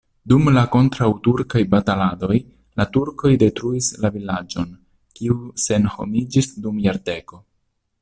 Dum la kontraŭturkaj bataladoj la turkoj detruis la vilaĝon, kiu senhomiĝis dum jardeko.